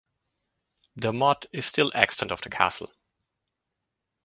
The motte is still extant of the castle.